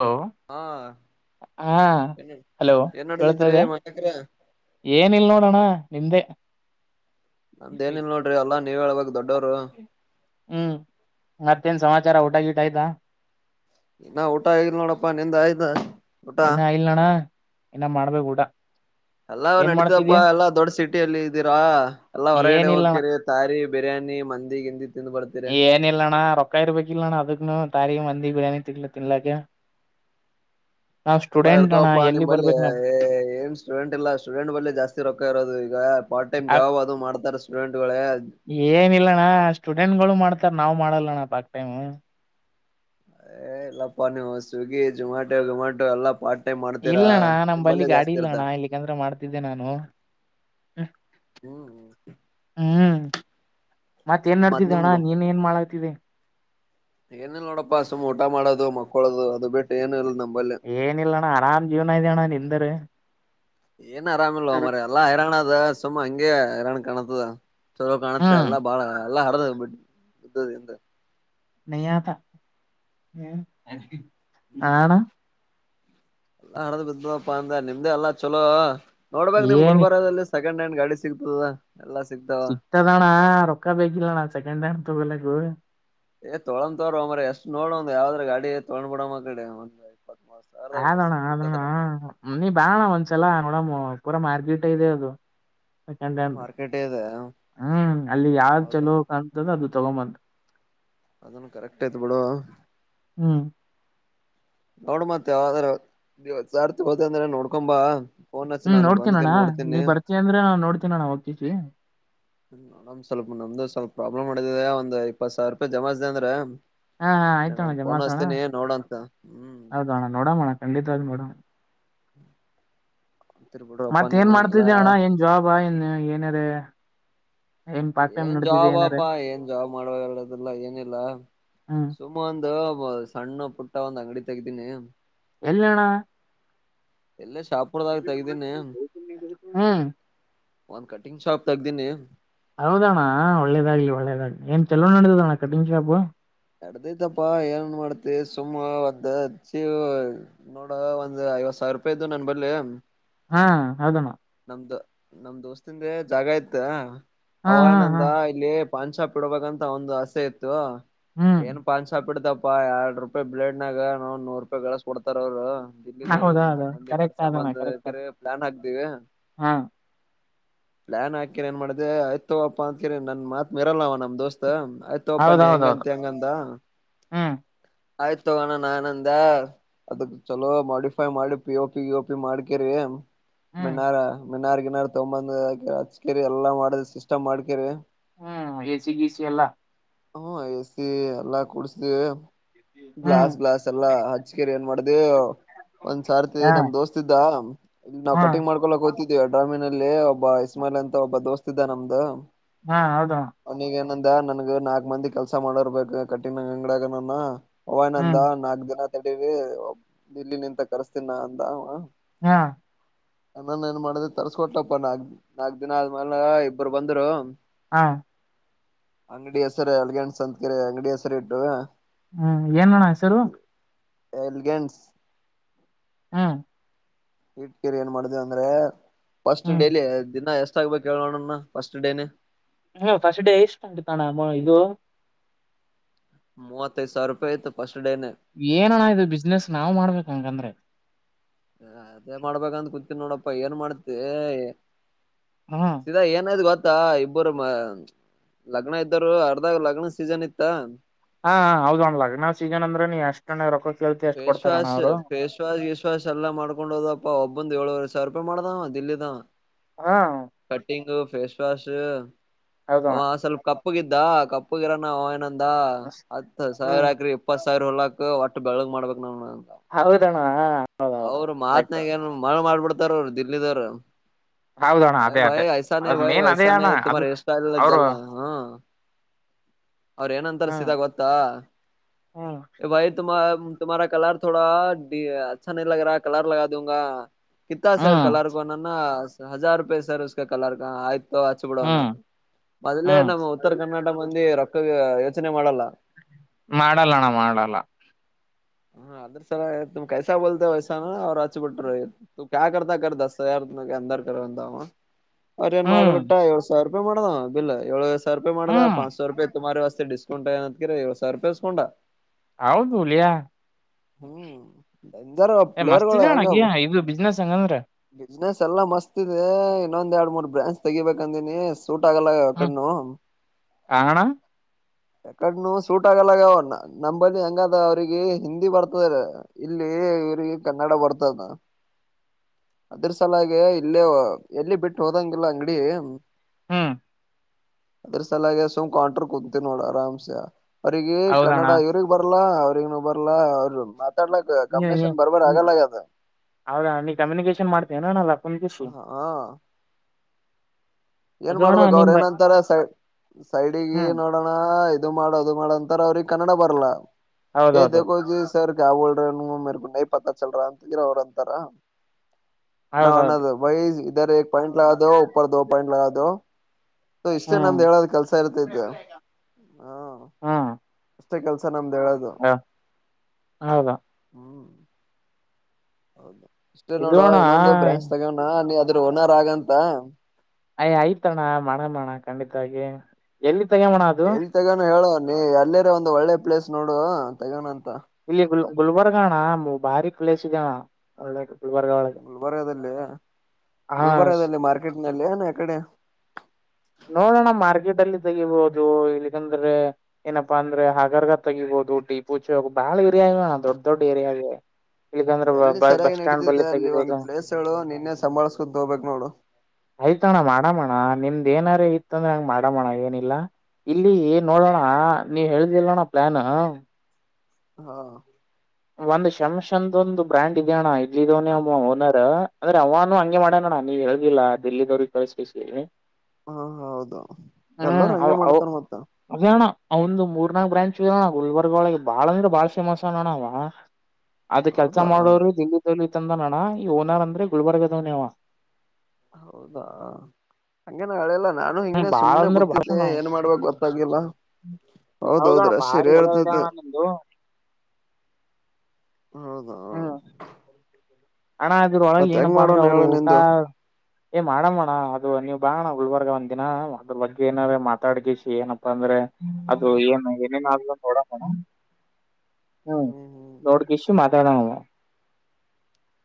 Hello ಹಾ ಹಾ ಏನು ಏನ್, ನಡದಿದ್ರಿ ಮನಕ್ರ. ಏನ ಇಲ್ ನೋಡೋಣ ನಿಂದೆ! ನಮ್ದ ಏನಿಲ್ ನೋಡ್ರಿ ಎಲ್ಲಾ ನೀವ್ ಹೇಳ್ಬೇಕ್ ದೊಡ್ಡೋರು ಹ್ಮ್ ಮತ್ತನ್ ಸಮಚ. ಸರ್ ಊಟಾಗಿ ಗೀಟ್ ಆಯ್ತಾ. ಇನ್ನ ಊಟ ಆಗಿಲ್ಲ, ನೋಡಪ್ಪಾ ನಿಂದ ಆಯ್ತಾ. ಊಟಾ ಇನ್ನ ಇಲ್ಲಣ್ಣ ಇನ್ನ ಮಾಡ್ಬೇಕ ಊಟ ಎಲ್ಲಾವ ಏನ್ ನಡತಪ್ಪಾ ಮಾಡ್ತಿದ್ಯಾ ಎಲ್ಲಾ ದೊಡ್ಡ ಸಿ ಟಲ್ಲಿ ಇದೀರಾ ಎಲ್ಲ ಹೊರಗಡೆ ಏನಿಲ್ಲಣ ಹೋಗ್ತರಿ ತಾರಿ ಬಿರಿಯಾನಿ ಮಂದಿಗಿಂದಿ ಏನ ಇಲ್ಲಣ್ಣ ರೊಕ್ಕ ಇರ್ಬೇಕಿಲ್ಲ ಅಣ್ಣ ಅದಕ್ಕನು ತಾರಿಗೆ ಮಂಡಿ ಬಿಣಿ ತಿನ್ನ ತಿನ್ನಲಾಕ್ಕೆ ಎಲ್ಲಾ ಇರ್ತವಪ್ಪಾ ನಿಮ್ಲ್ಲಿ ಏನ್ ಸ್ಟೂಡೆಂಟ್ ಇಲ್ಲ ಸ್ಟೂಡೆಂಟ್ ಬಳಿ ಜಾಸ್ತಿ ರೊಕ್ಕ ಇರೋದು ಈಗ ಪಾರ್ಟ್ ಟೈಮ್ ಜಾಬ್ ಅದು ಮಾಡ್ತಾರ ಸ್ಟೂಡೆಂಟ್ ಗಳೇ ಏನಿಲ್ಲಣ್ಣ ಸ್ಟೂಡೆಂಟ್ಗಳು ಮಾಡ್ತ ನಾವ್ ಮಾಡಲ್ಲಣ ಟಾಕ್ ಟೈಮೂ ಅ ಎಲ್ಲಾ ಪ ಸ್ವಿಗಿ ಜೊಮಟೋ ಗಿಮಟೋ ಎಲ್ಲಾ ಪಾರ್ಟ್ ಮಾಡ್ತೀರಾ ಇಲ್ಲಣ್ಣ ನಮ್ ಬಲ್ಲಿ ನಿಮ್ಮಲ್ಲೇ ಗಾಡಿ ಜಾಸ್ತಿ ಇಲ್ಲಣ್ಣ ಇರತವ ಇಲ್ಲಿಕಂದ್ರೆ ಮಾಡ್ತಿದ್ದೆ ನಾನು ಹ್ಮ್ ಮತ್ತ ಏನ್ ಮತ್ ನಡ್ತಿದ್ದ ಅಣ್ಣ ನೀನ್ ಏನ್ ಮಾಡ [inaudible] ಏನ ಇಲ್ಲ ನೋಡಪ್ಪ ಅ ಸಮ್ ಊಟಾ ಮಾಡೋದು ಮಕ್ಕೋಲೋದು ಅದು ಬಿಟ್ಟು ಏನ ಇಲ್ ನಮ್ಮದು ಏನಿಲ್ಲ ಅಣ್ಣ ಆರಾಮ್ ಜೀವ್ನ ಇದ್ಯ ಅಣ್ಣ ನಿಂದಾರ ಏನ್ ಆರಾಮಿಲ್ವಾ ಮಾರಾಯ ಎಲ್ಲಾ ಹೈರಾಣ ಅದ ಸುಮ್ಮ ಹಂಗೆ ಹೈರಾಣ ಕಾಣತದಚುಲೋ ಕಾಣುತ್ತ ಹ್ಮ್ ಎಲ್ಲಾ ಬಾಳ ಎಲ್ಲಾ ಹರದ ನೀ ಆತ ಹ್ಮ ನಣ ಎಲ್ಲ ಹರದ ಬಿದ್ದಪ್ಪಾ ಅಂದ ನಿಮ್ದೆ ಅಲ್ಲಾ ಚಲೋ ನೋಡ್ಬೇಕ್ ನಿಮ್ ಏನಿ ಗುಲ್ಬರ್ಗದಲ್ಲಿ ಸೆಕೆಂಡ್ ಹ್ಯಾಂಡ್ ಗಾಡಿ ಸಿಗ್ತದ ಎಲ್ಲಾ ಸಿಗ್ತಾವ ಸಿಗ್ತದಣ್ಣ ರೊಕ್ಕ ಬೇಕಿಲ್ಲಣ್ಣ ಸೆಕೆಂಡ್ ಹ್ಯಾಂಡ್ ತಗೋಲಕ್ಕು ಏ ತೊಳೊಂತವ್ ಮ್ರ ಎಷ್ಟ್ ನೋಡ ಒಂದ್ ಯಾವ್ದ್ರ ಗಾಡಿ ತೊಡ್ ಬಿಡ್ಡಮ್ಮ ಆಕಡೆ ಆದಣ್ಣ ಆದಣ ನೀ ಬಾ ಅಣ್ಣ ಒಂದ್ಸೆಲ ನೋಡಕ್ ಹೋಗೋಣ ಪೂರಾ ಮಾಇದೆ ಅದು ಅ ಮಾರ್ಕೆಟ್ ಇದೆ ಹ್ಮ್ ಅಲ್ಲಿ ಯಾವ್ದ್ ಹೌದಾ ಚಲೋ ಕಾಣತದ ಅದು ತುಗೊ ಮುಂದ ಅದನು ಕರೆಕ್ಟ್ ಐತಿ ಬಿಡು ಹ್ಮ್ ನೋಡ್ ಮತ್ ಯಾವದ್ರವತ್ ಸಾರ್ ತಗೋದ ಅಂದ್ರ ನೋಡ್ಕೊಂದ ಬಾ ಹ್ಮ್ ನೋಡ್ತೀನ ಅಣ್ಣ ನೀವ್ ಬರ್ತೀ ಅಂದ್ರೆ ನಾ ನೋಡ್ತೀನಣ ಹೋಗ್ತವಿ ನಡಮ್ ಸ್ವಲ್ಪ ನಮ್ದು ಸ್ವಲ್ಪ ಪ್ರಾಬ್ಲಮ್ ನಡೆದಿದೆ ಒಂದ್ ಇಪ್ಪತ್ ಸಾವಿರ ರೂಪಾಯಿ ಜಮಾಯಿಸಿದಿ ಅಂದ್ರ ಹಾ ಹ ಆಯ್ತ ಅಣ್ಣ ಜಮಾಾಸೋಣ್ಣ ನೋಡಂತ ಹ್ಮ್ ಹೌದ ಅಣ್ಣ ನೋಡಮ್ಮಣ ಖಂಡಿತವಾಗಿ ನೋಡೋಣ [inaudible] [inaudible] ಬಿಡ್ರಪ್ಪಾ ಮತ್ತ ಏನ್ ನೀವು ಅಲ್ಲಾ ಮಾಡ್ತಿದ್ದ ಅಣ್ಣ ಏನ್ ಜಾಬ ಏನ್ ಏನಾರ ಪಾರ್ಟ್ ಟೈಮ್ ಏನ್ ನಡ್ದಿದೆ ಏನಾರ ಜಾಬ್ಪಾ ಏನ್ ಜಾಬ್ ಮಾಡುವ ಹೇಳದಿಲ್ಲ ಏನಿಲ್ಲ ಹ್ಮ್ ಸುಮ ಒಂದು ಸಣ್ಣ ಪುಟ್ಟ ಒಂದ್ ಅಂಗಡಿ ತೆಗೀತೀನಿ ಎಲ್ಲಣ್ಣ ಎಲ್ಲೋ ಶಾಪುರದಾಗ ತೆಗ್ದೀನೆ ಹ್ಮ್ ಒಂದ್ ಕಟಿಂಗ್ ಶಾಪ್ ತೆಗ್ದೀನಿ ಹೌದಣ್ಣ ಒಳ್ಳೇದಾಗ್ಲಿ ಒಳ್ಳೇದಾಗ್ಲಿ ಏನ್ ಚಲವ ನಡ್ದದಣ್ಣ ಕಟಿಂಗ್ ಶಾಪು ಎಡದೈತಪ್ಪಾ ಏನನ್ ಮಾಡ್ತಿ ಸುಮ ಒ್ದಚ್ಚೀ ನೋಡ ಒಂದ ಐವತ್ತು ಸಾವಿರ ರೂಪಾಯಿ ಇದ್ದು ನನ್ನ ಹಿಂಬಾಲೆ ಹಾ ಹೌದಣ್ಣ ನಮ್ದ ನಮ್ ದೋಸ್ತಿಂದ ಜಾಗ ಇತ್ ಹಾ ಅವ ಹಾ ಹಾ ನಂದ ಇಲ್ಲಿ ಪಾನ್ ಶಾಪ್ ಇಡಬೇಕಂತ ಒಒಂದ ಅವರ ಆಸೆ ಇತ್ತು ಹ್ಮ್ ಏನ್ ಪಾನ್ ಶಾಪ್ ಇಡ್ದ ಪಪ್ಪ ಎರಡ್ ರೂಪಾಯಿ ಬ್ಲೇಡ್ನಾಗ ನ ನೂರು ರೂಪಾಯಿ ಕಳಿಸಿ ಕೊಡ್ತಾರ ಅವ್ರು ಹೌದ ದಿಲ್ಲಿದವ್ರರಿಗೆಗ ಒಂದ್ ಹೌದು ನಾಕಕ್ ಮಂದಿ ಕರೆಕ್ಟ್ ಕಡಸಮ್ಮ ಆದಣ್ಣ ಕರೆಕ್ಟ್ ಅಂತ್ರ ಆದ ಪ್ಲಾನ್ ಹಾಕ್ತಿವಿ ಹಾ ಪ್ಲಯಾನ್ ಹಾಕರಿ ಏನ್ ಮಾಡ್ದ ಆಯ್ತವಪ್ಪಾ ಅಂತಕರಿ ನನ್ ಮಾತ್ ಮೇರಲ್ಲವ ನಮ್ ದೋಸ್ತ್ ಆಯ್ತ ತುಗೋಪ ನೀ ಹೆಂಗ ಹೌದೌದೌದು ಅಂತಿ ಹಂಗ ಅಂದ ಹ್ಮ್ ಆಯ್ತು ತಗೋಣ ನಾನಂದ ಅದಕ್ ಚಲೋ ಮೋಡಿಪೈ ಮಾಡಿ ಪಿ ಓ ಪಿ ಯ ಓಪಿ ಮಾಡ್ಕೇರಿ ಹ್ಮ್ ಮನ್ನಾರ ಮಿಣಾರ್ ಗಿಿನಾರ ತಗೊಂಬಂದ ಹಚ್ಕರಿ ಎಲ್ಲಾ ಮಾಡದ ಸಿಸಮ್ ಮಾಡ್ಕೇರಿ ಹ್ಮ್ ಏಸಿ ಗೀಸಿ ಎಲ್ಲ ಹ್ಮ ಎಸ ಎಲ್ಲಾ ಕುೂಡ್ಸ್ದವಿ ಹ್ಮ್ ಗ್ಲಾಸ್ ಗ್ಲಾಸ್ ಎಲ್ಲಾ ಹಜಕರಿ ಏನ್ ಮಾಡ್ದ ಒಂದ್ ಸಾರ್ತಿ ಹಾ ನಮ್ ದೋಸ್ತ ಇದ್ದ ಇ ನಾವ ಹಾ ಕಟ್ಟ ಮಾಡ್ಕೊಕ್ ಹೋಗತಿದೀವಿ ಡ್ರಾಮಿನ ಅಲ್ಲಿ ಒಬ್ಬ ಇಸ್ಮಾಿಲ್ ಅಂತ ಒಬ್ಬ ದೋಸ್ತ್ ಇದಾ ನಮ್ದು ಹಾ ಹೌದ ಅವನಿಗ ಏನಂದ ನನ್ಗ ನಾಕಕ್ ಮಂದಿ ಕೆಲ್ಸ ಮಾಡೋರ್ ಬ ಕಠಿಣ ಅಂಗಡ ನಾನ ಅವಯ್ ನಂದ ಹ್ಮ್ ನಾಕ್ ದಿನ ಇಲ್ಲಿ ನಿಂತ ಕರ್ಸ್ತಿನ ಅಂದ ಹಾ ಅನ್ನನ್ ಏನ್ ಮಾಡಿದ ತರ್ಸಕೊಟ್ಟಪ್ಪಾ ನಾಕ್ ನಾಕಕ್ ದಿನ ಆದ್ಮೇಲೆ ಇಬ್ಬರು ಬಂದ್ರು ಹಾ ಅಂಗಡಿ ಹೆಸರ ಅಲ್ಗೆಂಡ ಸಂತಕರೆ ಅಂಗಡಿ ಹೆಸರ ಇಟ್ಟು ಹ್ಮ್ ಏನ್ ಮಾಡೋಣ್ಣ ಹೆಸರು ಎಲ್ಗಂಸ್ ಹಾ ಇಟ್ ಕಿರಿ ಏನ್ ಮಾಡ್ದವ ಅಂದ್ರೆ ಫಸ್ಟ್ ಹ್ಮ್ ಡೇಲಿ ದಿನ ಎಷ್ಟ ಬೇಕ ಕೋಣ ಫಸ್ಟ್ ಡೇನೆ ಹ್ಮ್ ಫಸ್ಟ್ ಡೇ ಸ್ತಂಟಿ ತಣ ಇದು ಮೂವತ್ತ ಸಾವ ರೂಪಾಯಿ ಇ ಪ ಏನಣ ಇದು ಬಿಸ್ನೆಸ್ ನಾವ್ ಮಾಡ್ಬೇಕ ಹಂಗಂದ್ರೆ ಹ ಅದೇ ಮಾಡ್ಬೇಕಂದ ಕುೂತಿನ ನೋಡಪ್ಪಾ ಏನ್ ಮಾಡ್ತಿ ಹ್ಮ್ ಸಧಾ ಏನ್ ಗೊತ್ತ ಇತ್ತಾ ಇಬ್ಬರು ಮ ಲಗ್ನ ಇದ್ದರು ಅರ್ದಾಗ ಲಗ್ನ ಸೀಸನ್ ಇತ್ತ ಹಾ ಹೌ್ಣ್ ಲಗ್ನ್ ಸಿಗನ್ಂದ್ರ ನೀ ಎಷ್ಟ್ಣ್ಣ ರೊಕೋ ಫೇಸ್ ವಾಶ್ ಫೇಸ್ ವಾಶ್ ಗೀಸ್ ವಾಶ್ ಎಲ್ಲಾ ಮಾಡ್ಕೊಂಡ್ ಹೋದಪ್ಪಾ ಒಬ್ಬ ಬಂದ್ ಏಳುವರೆ ಸಾವಿರ ರೂಪಾಯಿ ಮಾಡ್ದ ದಲ್ದ ಹಾ ಕಟ್ಟಿಂಗ್ ಫೇಸ್ ವಾಶ್ ಹೌದಣ ಅವ ಸ್ವಲ್ಪ ಕಪ್ಪುಗಿದ್ದ ಕಪ್ಪುಗಿರ ನ ನಾದ ಂದ ಹತ್ ಸಾವಿರ ಹ್ಮ್ ಹಾಕ್ರಿ ಇಪ್ಪತ್ ಸಾವಿರ ಹೊಲಾಕ ಒಟ್ಟು ಬೆಳಗ್ ಮಾಡ್ಬಬೇಕಕ್ ನಾವ ಹೌದಣ ಹೌದೌದು ಅವರು ಕರೆಕ್ಟ್ ಮಹಾತ್ನಾಗ ಏನ್ ಮಳ ಮಾಡ್ಬಿಡ್ತಾರ ಅವರು ದಿಿಲ್ಲದವರು ಹೌದ ಅ ಭೈ ಐಸಾ ನ ಭೈ ಸ ನ ತುಮ ಅದು ಎರ್ಸ್ಟೈಲ್ ಅವರು ಜಲ್ ಹ ಅವ್ರ ಏನಂತಾರ ಹ್ಮ್ ಸಿದಾಗ ಗೊತ್ತಾ ಹ್ಮ್ ಇಯ್ತು ತುಮಹಾರಾ ಕಲರ್ ೋಡಾ ಅಾ ನೀ ಲಗ ರಾ ಕಲರ್ ಲಗಾ ದೂಂಗಾ ಕ ಸರ್ ಹ್ಮ್ ಕಲರ್ಕನ ಹಜಾರ ರೂಪೆ ಸರ್ಕ ಕಲರ್ ಆಯ ಹಚ್ಚ ಹ್ಮ್ ಬಿಡುವನ್ನದು ಮೊದಲೇ ಹ್ಮ್ ನಮ್ಮ ಉತ್ತರ ಕರ್ನಾಟಕ ಮಂದಿ ರೊಕ್ಕ ಯಚನೆ ಮಾಡಲ್ಲ ಮಾಡಲ್ಲಣ್ಣ ಮಾಡಲ್ಲ ಹಾ ಅದ್ರ ಸಲ ತು್ ಕೈಸಾ ಬೋಲತ ವೈಸಾ ಅವ್ ಆಾಚು ಬಿಟ್ಟರು ತು ಕಾತದ ಯಾರು ಅ ಅವ್ರ ಏನ್ ಮಾಡಬ ಹ್ಮ್ ಬಿಟ್ಟ ಏಳ್ ಸಾವರ ರೂಪಾಯಿ ಮಾಡದಾ ಬಿಲ್ ಏಳ್ ಸಾವರ ರೂಪಾಯ ಮಾಡ ಹ್ಮ್ ಪಂ ಸಾವಿ ರೂಪಾಯಿ ತುಮಾರ ವಸ್ ಡಿಸಸ್ಕಾಂಟ್ ಏ ರ ಹೊಸ ರೂಪಿಸಸ್ಕೊಂಡಾ ಹೌ ತಲಯ ಹ್ಮ್ ಡೇಂಜರ್ ಮಸ್ತಿ ಪ್ಲೇಯರ್ಗಳು ಜಣ ಹೆಂಗ ಇ ಬಿಿಸ್ನೆಸ್ ಹಂಗಂದ್ರೆ ಬಿಸ್ನೆಸ್ ಎಲ್ಲ ಮಸ್ತ್ ಇದೆ ಇನ್ನೊಂದ್ ಎರಡು ಮೂರ್ ಬ್ರಾಂಚ್ ತೆಗಿಬೇಕಂದಿನನಿ ಸೂಟಾಗಲ ಹ್ಮ್ ಕನು ಅಣ್ಣ ಯಕಡನು ಸೂಟ್ ಆಗಲ್ಲಗ ನಂಬಳಿ ಹಂಗದ ಅವರಿಗೆ ಹಿಂದಿ ಬರ್ತದ ಇಲ್ಲಿ ಇವಿಗೆ ಕನ್ನಡ ಬರ್ತದ ಅದ್ರ ಸಲ ಹಾಗೆ ಇಲ್ಲೇ ಎಲ್ಲಿ ಬಿಟ್ಟು ಹೋದಂಗಿಲ್ಲ ಅಂಗಡಿ ಹ್ಮ್ ಅದ್ರ ಸಲಾಗಿೆ ಸುಮ್ ಕಂಟ್ರರ್ ಕುೂಂತೀವಿ ನೋಡ ಆರಾಮ್ಸೆ ಅವ್ರಿಗೆ ಹೌದಣ್ಣ ಕನ್ನಡ ಇವ್ರಿಗೆ ಬರ್ಲಾ ಅವ್ರಗ್ನು ಬರ್ಲಾ ಅವರು ಅ ಕಂಬನ್ ಬರಬ ಆಗಲ್ಲತ ಹೌದಾ ನೀ ಕಮ್ಯುನಿಕೇಶನ್ ಮಾಡ್ತೀಯನ ಅಣ್ಣ ಲಕುನ್ ಕಿಸಿ ಹಾ ಏನ್ ಅದು ಅಣ್ಣ ಮಾಡ್ಬೇಕು ಅವ್ರ ನಿಮ್ ಏನಂತಾರೆ ಸೈ ಸೈಡಿಗೆ ಹ್ಮ್ ನೋಡೋಣ ಇದು ಮಾಡ ಅದು ಮಾಡ ಅಂತಾರ ಅವ್ರಿಗೆ ಕನ್ನಡ ಬರ್ಲ್ಲ ಏ ಹೌದೌದು ದೋ ಸರ್ ಯಾವ ಬೋಲ್ರ ಮರೆ ನ ಪತಾ ಚಲ್ರ ಅಂತರ ಅವ್ರ ಅಂತಾರಾ ಹೌದೌದು ನಾನದು ಭೈ ಇಧರ ಪಂಟ್ ಲಗಾದ ರ ದ ದು ಇಷ್ಟೇ ಹ್ಮ್ ನಮ್ದ್ ಹೇಳದ್ ಕೆಲ್ಸ ಇರುತ್ತೆ ಹಾ ಹ್ಮ್ ಅಷ್ಟೇ ಕೆಲ್ಸ ನಮ್ದು ಹೇಳದು ಹೌದು ಹ್ಮ್ ಹೌದು ಇಷ್ಟೇ ಇದು ನೋಡುವ ಅಣ್ಣ ಇನ್ನೊಂದು ಬ್ರಾಂಚ್ ತಗೋಣ ನೀ ಅದ್ರ ಓನರ್ ಆಗಂತ ಅಯ ಐ್ತಣ್ಣ ಮಾಡಣ ಮಾಡಣ ಖಂಡಿತವಾಗಿ ಎಲ್ಲಿ ತಗಮಣ ಅದು ಎಲ್ಲಿ ತಗಾನ ಹೇಳುವ ನೀ ಎಲ್ಲರ ಒಂದ್ ಒಳ್ಳೆ ಪ್ಲೇಸ್ ನೋಡು ತೆಗಾನ ಅಂತ ಇಲ್ಲಿ ಗುಲ್ ಗುಲ್ಬರ್ಗ ಅಣ್ಣ ಭಾರಿ ಕ್ಲೇಸ್ ಇದ್ಯಣ್ಣ ಒಳ್ಳೆ ಗುಲ್ಬರ್ಗ ಒಳಗೆ ಗುಲ್ಬರ್ಗಾದದಲ್ಲಿ ಹಾ ಗುಲ್ಬರ್ಗಾದದಲ್ಲಿ ಮಾರ್ಕೆಟ್ನಲ್ಲಿ ಏನ ಕಡೆ ನೋಡೋಣ ಮಾರ್ಕೆಟ್ ಅಲ್ಲಿ ತೆಗಿಬಹುದು ಇಲ್ಲಿಕಂದ್ರೆ ಏನಪ್ಪಾ ಅಂದ್ರೆ ಹಾಗಗರ್ಗ ತೆಗಿಬಹುದು ಟಿ ಪೂಚೆ ಬಾಳ ಏರಿಯೇಣ ದೊಡ್ಡ ದೊಡ್ಡ ಏರಿಯದೆ ಎಲ್ಲಿ ಸರಿಯಾಗಿ ನಡೀತಿದೆ ಅಲ್ಲಿ ಒಂದು್ ಪ್ಲೇಸ್ ಗಳುು ನಿನ್ನೆ ಸಂಭಾಳ್ಸ್ಕೊಂತ ಹೋಗ್ಬೇಕಕ್ ನೋಡು ಆಯ್ತ ಅಣ್ಣ ಮಾಡಮ್ಮೋಣ ನಿಮ್ದ ಏನಾರ ಇತ್ತ ಅಂದ್ರೆ ಹಂಗ್ ಮಾಡಮೋಣ ಏನಿಲ್ಲ ಇಲ್ಲಿ ನೋಡೋಣ ನೀವ್ ಹೇಳ್ದಿಿಲ್ಲೋಣ ಪ್ಲಾನ್ ಹಾ ಒಂದ್ ಶಮ್ ಅಂದ ಒಂದು್ ಬ್ರ್ಯಾಂಡ್ ಇದ್ಯಣ್ಣ ಇಡ್ಲಿ ಇದವನೇಮ್ಮ ಓನರ್ ಅಂದ್ರೆ ಅವಾನ ಹಂಗೆ ಮಾಡೋಣ ನೀವು ಹೇಳುದಿಲ್ಲ ದಿಲ್ಲಿದವ್ರಿಗೆ ಕಳಿಸ್ಿಸಿ ಹಾ ಹೌದು ಎಲ್ಲರೂ ಹಂಗೆ ಹ್ಮ್ ಮಾಡ್ತಾರ ಮತ್ತ ಅದಣ ಅವಂದು ಮೂರ್ ನಕ್ ಬ್ರಾಂಚ್ ಇೋಣ ಗುಲ್ಬರ್ಗ ಒಳಗೆ ಬಾಳ ಅಂದ್ರೆ ಬಾಳ್ ೇಮಸ್ ಅೋಣ ಅವ ಅದ ಕೆಲ್ಸ ಹೌದಾ ಮಾಡೋರು ದಿ ದಲಿ ತಂದನಣ್ಣ ಈ ಓನರ್ ಅಂದ್ರೆ ಗುಲ್ಬರ್ಗದವನವ ಹೌದಾ ಹಂಗೇ ನ ಹೆಲ್ಲ ನಾನು ಹಿಂಗ್ ಹ್ಮ್ ಬಾಳ ಸುಮನೆ ಅಂದ್ರೆ ಭಾಳ ಕೂತ್ತಿದ್ದೆ ಏನ್ ಮಾಡ್ಬಕ್ ಗೊತ್ತಾಗಿಿಲ್ಲ ಹೌದಣ್ಣ ಭಾರಿ ಎಲ್ಲ ಇದ್ದಣ್ಣ ನ್ದ ಹೌದಾ ಹಣ ಅ್ರ ಒಳಗೆ ಮತ್ ಹೆಂಗ್ ಏನಪ್ಪಾ ಅಂದ್ರೆ ಮಾಡೋಣ ಅವ್ರು ಹೇಳು ಊಟ ನಿಂದು ಏ ಮಾಡಮ್ಮಣ್ಣ ಅದು ನೀವ್ ಬಾಣ್ಣ ಉುಳ್ಬರ್ಗ ಒಂದ್ ದಿನ ಅದ್ರ ಬಗ್ಗೆ ಏನೆ ಮಾತಾಡ್ಗಿಸಿ ಏನಪ್ಪಾ ಅಂದ್ರೆ ಅದು ಏನ್ ಏನೇನಾದಲ ನೋಡಣ ಹ್ಮ್ ನೋಡ್ ಕಶು ಮಾತಾಡ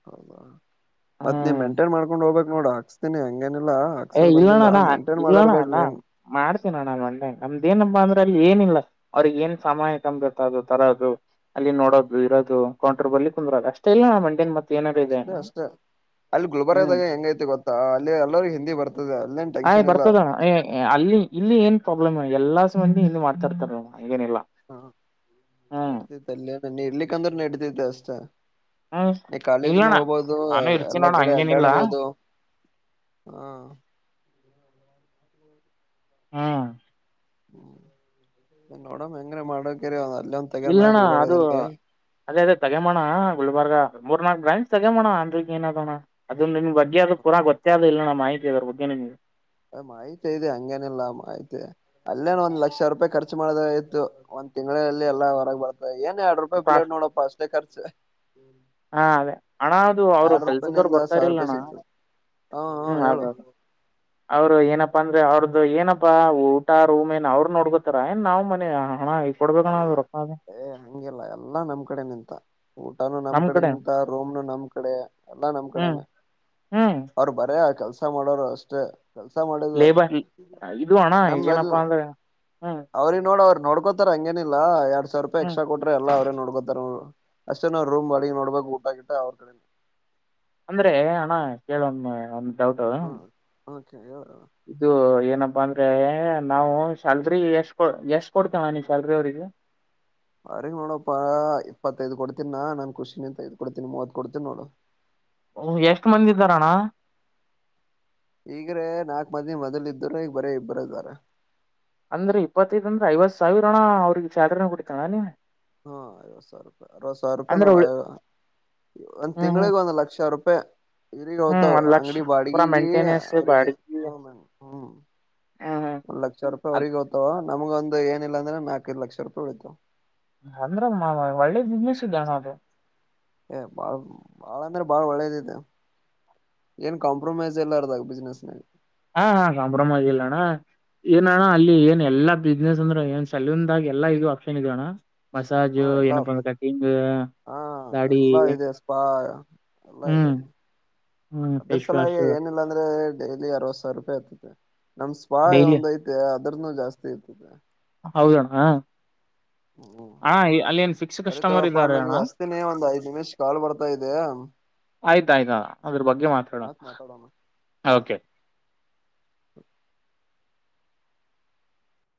ಹೌದಾ ಮತ್ ನೀವ್ ಮೆಂಟೈನ್ ಮಾಡ್ಕೊಂಡ್ ಹೋಗ್ಬೇಕಕ್ ನೋಡ ಹಾಕ್ಸ್ತೀನಿ ಹೆಂಗ ಏ ಇಲ್ಲಣಣ್ಣ ಇಲ್ಲಣ ಬೇಕ್ ಅಣ್ಣ ಮೇನ್ ಮಾಡ್ತೀನೋಣ ನಾನನ್ ಒೆ ನಮ್ದೇನ್ ತ ಅಂದ್ರೆ ಅಲ್ಲಿ ಏನಿಲ್ಲ ಅವ್ರಿಗೆ ಏನ್ ಸಮಯ ಕಬೇಕತ್ತ ಅದು ತರದು ಅಲ್ಲಿ ನೋಡೋದು ಇರೋದು ಕೌಂಟರ್ ಬಲಿ ತಂದ್ರಾಗ ಅಷ್ಟೇ ಇಲ್ಲ ಮಂಡೇ ಮತ್ತೆ ಅಷ್ಟೇ ಅಷ್ಟೇ ಅಲ್ಲಿ ಹ್ಮ್ ಗುಲ್ಬರ್ದಾಗ ಹೆಂಗೈತಿ ಗೊತ್ತಾ ಅಲ್ಲಿ ಎಲ್ಲರು ಹಿಂದಿ ಬರ್ತ ಆಯ್ ಬರ್ತದಣ್ಣ ಅಲ್ಲಿ ಇಲ್ಲಿ ಏನ್ ಪ್ರಾಬ್ಲಮ್ ಎಲ್ಲಾ ಸಂಬಂಧಿ ಇಲ್ಲಿ ಮಾತಾಡ್ತಾರಣ ಹಾ ನಡ್ತೈತೆ ಅಲ್ಲ ನ ಇಡ್ಲಿಕ್ಕಂದ್ರೆ ನಡತೈತೆ ಅಷ್ಟ ಹ್ಮ್ ನೀ ಕಾಲೇಜ್ನು ಇಲ್ಲಣ್ಣ ಹೋಗ್ಬೋದು ನಾನು ಎಲ್ಲ ಇರ್ತೀನೋಣ ಕಡೆ ಹಂಗೇನಿಲ್ಲ ಅಡ್ಡಾಡ್ಬಹದು ಹಾ ಹಾ ಹ್ಮ್ ಎೋಡ ಎಂಗ್ರ ಮ ಕರಿಂದ ಇಲ್ಲಣ್ಣ ಅದು ಅದೇ ಅದೇ ತಗಮೋಣ ಗುಲ್ಬರ್ಗ ಮೂರ್ ನಾಕಕ್ ಗ್ರಾಂಟ್ ತಗೋಣ ಅಂದ್ರಗ್ ಏನ ಅದಣ ಅದು ನಿ್ ಬಗೆ ಅದು ಪೂರ ಗೊತ್ತ ಅದ ಇಿಲ್ಲ ನ ಮಾಹತಿ ಇದದ್ರ ಬಗ್ಗೆ ಹ್ಮ್. ಮಾಹಿತಿ ಇದೆ ಹಂಗೇನಿಲ್ಲ ಮಾಹಿತಿ ಅಲ್ಲೇನ್ ಒಂದ್ ಲಕ್ಷ ರೂಪಾಯಿ ಖರ್ಚು ಮಾಡದ್ರೆ ಆಯ್ತು. ತಿಂಗಳಲ್ಲಿ ಎಲ್ಲ ಹೊರಗ್ ಬರ್ತದೆ ಏನ ಎರ್ಡ್ ರೂಪಾಯಿ ಪ್ಲೇಟ್ ನೋಡಪ್ಪ ಅಷ್ಟೇ ಖರ್ಚು. ಹಾ ಅದೇ. ಅಣ್ಣ ಅದು ಅವರು ಎರಡ್ ಕೆಲ್ಸದವರು ರೂಪಾಯಿನಿಂದ ಬರ್ತಾ ಸಾವಿರ ರೂಪಾಯಿ ಇರಿಲ್ಲಣ್ಣ ಸಿಗ್ತದೆ ಹ ಹ ಹ್ಮ್ ಹೇಳು ಅದು. ಅವ್ರು ಏನಪ್ಪಾ ಅಂದ್ರೆ ಅವ್ರ್ದು ಏನಪ್ಪಾ ಊಟ ರೂಮ್ ಏನ್ ಅವ್ರು ನೋಡ್ಕೋತಾರ ಏನ್ ನಾವ್ ಮನೆ ಹಣ ಕೊಡ್ಬೇಕಣ ಎಲ್ಲ ಅದು ರೊಕ್ಕ ಅದು ಏ ಹಂಗಿಲ್ಲ ಎಲ್ಲಾ ನಮ್ ಕಡೆ ನಿಂತ. ಊಟಾನು ನಮ್ ಕಡೆ ನಿಂತ ರೂಮ್ನು ನಮ್ ಕಡೆ ಎಲ್ಲಾ ನಮ್ ಹ್ಮ್ ಕಡೆನೆ. ಹ್ಮ್ ಅವರು ಬರೆ ಆ ಕೆಲ್ಸ ಮಾಡೋರು ಅಷ್ಟೇ. ಕೆಲ್ಸ ಮಾಡುದು ಲೇಬರ್ ಇದು ಅಣ್ಣ [unintelligible] ಈಗೇನಪ್ಪಾ ಅಂದ್ರೆ ಹ್ಮ್ ಅವ್ರಿಗ್ ನೋಡ ಅವ್ರ ನೋಡ್ ತರ್ ಹಂಗೇನಿಲ್ಲ ಎರಡ್ ಸಾವಿರ್ ರೂಪಾಯಿ ಹ್ಮ್ ಎಕ್ಸ್ಟ್ರಾ ಕೊಟ್ರೆ ಎಲ್ಲ ಅವ್ರೇ ನೋಡ್ ಕೊತಾರ್ ಅವ್ರ್ ಅಷ್ಟೇ ನಾವ್ ರೂಮ್ ಬಾಡಿಗೆ ನೋಡ್ಬೇಕು ಊಟಗೀಟಾ ಅವ್ರ್ ಕಡೆ. ಅಂದ್ರೆ ಅಣ್ಣ ಕೇಳೊಮ್ಮ ಒಂದ್ ಡೌಟು. ಹ್ಮ್ ಓಕೆ ಹೇಳ. ಇದು ಏನಪ್ಪಾ ಅಂದ್ರೆ ನಾವು ಸ್ಯಾಲ್ರಿ ಎಷ್ಟ್ ಕೊಡ್ ಎಷ್ಟ್ ಕೊಡ್ತೇವ ನೀ ಸ್ಯಾಲ್ರಿ ಅವ್ರಿಗೆ. [inaudible] ಅವ್ರಿಗ್ ನೋಡಪ್ಪಾ ಇಪ್ಪತ್ತೈದು ಕೊಡ್ತೀನಾ ನಾನ್ ಖುಷಿಂತ ಐದ್ ಕೊಡ್ತೀನಿ ಮೂವತ್ ಕೊಡ್ತೀನಿ ನೋಡು. ಅವ್ರು ಎಷ್ಟ್ ಮಂದಿ ಇದ್ದಾರಣ್ಣ. ಈಗ್ರೆ ನಾಕ್ ಮಂದಿ ಮೊದ್ಲ್ ಇದ್ರ ಈಗ ಬರೀ ಇಬ್ಬರ ಇದಾರ. ಅಂದ್ರೆ ಇಪ್ಪತ್ತೈದ್ರಿಂದ ಐವತ್ ಸಾವಿರ ಅಣ್ಣ ಅವ್ರಿಗೆ ಸ್ಯಾಲರಿ ನಾ ಕೊಡಿತಾನ ನೀನ. ಹಾ ಐವತ್ತು ಸಾವಿರ ರೂಪಾಯಿ ಅರವತ್ತು ಸಾವಿರ ರೂಪಾಯಿ ಅಂದ್ರೆ ನೋಡ ಉಳಿ ಒಂದ ಹ್ಮ್ ಹ್ಮ್ ತಿಂಗಳಿಗೆ ಒಂದ್ ಲಕ್ಷ ರೂಪ್ ತೀರಿ ಹ್ಮ್ ಹೋತಾವ್ ಒಂದ್ ಲಕ್ಷ ಅಂಗಡಿ ಪೂರಾ ಬಾಡಿಗೆಗೆ ಮೇಂಟೆನೆನ್ಸ್ ಅವ್ರಿಗೆ ಬಾಡಿಗೆ ಹ್ಮ್ ಹ್ಮ್. ಹ್ಮ್ ಒಂದ್ ಲಕ್ಷ ರೂಪಾಯಿ ಹ್ಮ್ ಅವ್ರಿಗ್ ಹೋತಾವ ನಮಗ ಒಂದು ಏನಿಲ್ಲ ಅಂದ್ರ ನಾಕೈದು ಲಕ್ಷ ರೂಪಾಯಿ ಉಳಿತಾವ್. ಅಂದ್ರ ಒಳ್ಳೆ ಬಿಸ್ನೆಸ್ ಇದೆ ಅಣ್ಣ ಅದು. ಏ ಬಾಳ್ ಬಾಳ ಅಂದ್ರೆ ಬಾಳ್ ಒಳ್ಳೇದಿದೆ. ಏನ್ ಕಾಂಪ್ರೊಮೈಸ್ ಎಲ್ಲ ಇರ್ದಾಗ ಬಿಸ್ನೆಸ್ ನಾಗ. ಹಾ ಹಾ ಕಾಂಪ್ರೊಮೈಸ್ ಇಲ್ಲಣ್ಣ. ಏನಣ್ಣ ಅಲ್ಲಿ ಏನ್ ಎಲ್ಲಾ ಬಿಸ್ನೆಸ್ ಅಂದ್ರೆ ಏನ್ ಸಲೂನ್ದಾಗ ಎಲ್ಲ ಇದು ಆಪ್ಷನ್ ಇದೆ ಅಣ್ಣ. ಹ ಮಸಾಜು ಎಲ್ಲಾ ಏನಪ್ಪಾ ಅದು ಕಟ್ಟಿಂಗ್ ಹಾ ದಾಡಿ. ಎಲ್ಲಾ ಇದೆ ಸ್ಪಾ ಎಲ್ಲಾ ಇದೆ ಹ್ಮ್ ಅಲ್ಲಿ. ಹ್ಮ್ ಅದ್ರ್ ಫೇಸ್ ವಾಶ್ ಸಲವಾಗಿ ಏನಿಲ್ಲ ಅಂದ್ರೆ ಡೈಲಿ ಅರವತ್ ಸಾವಿರ ರೂಪಾಯಿ ಆಗ್ತದೆ. ನಮ್ ಸ್ಪಾ ಡೈಲಿ ಒಂದೈತೆ ಅದ್ರನು ಜಾಸ್ತಿ ಇರ್ತದೆ. ಹೌದಣ್ಣ. ಹ್ಮ್ ಹಾ ಹೌದು ಅಲ್ಲೇನ್ ಫಿಕ್ಸ್ ಸರಿ ಕಸ್ಟಮರ್ ತಗೊಪ್ಪಾ ಇದ್ದಾರೆ ಅಣ್ಣ ನಿನಗ್ ಹಚ್ತಿನಿ ಒಂದ್ ಐದ್ ನಿಮಿಷ್ ಕಾಲ್ ಬರ್ತಾ ಇದೆ. ಆಯ್ತಾಯ್ತು ಅದ್ರ ಬಗ್ಗೆ ಮಾತಾಡೋಣ ಮತ್ ಮಾತಾಡೋಣ ಹ. ಓಕೆ. [inaudible]